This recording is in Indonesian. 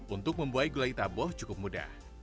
untuk membuai gulai taboh cukup mudah